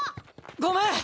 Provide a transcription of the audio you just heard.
ごめん！